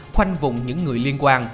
khoanh vùng những người liên quan